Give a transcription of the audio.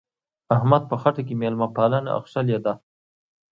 احمد په خټه کې مېلمه پالنه اخښلې ده.